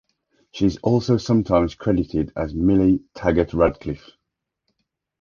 She is also sometimes credited as Millee Taggart-Radcliffe.